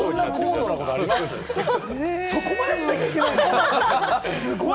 そこまでしなきゃいけないの？